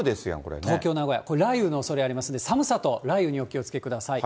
東京、名古屋、これ、雷雨のおそれありますんで、寒さと雷雨にお気をつけください。